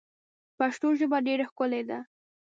پښتو ژبه ډېره ښکلې ده.